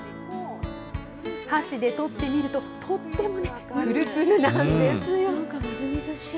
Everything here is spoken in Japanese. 箸でとってみると、とってもね、ぷるぷるなんですよ。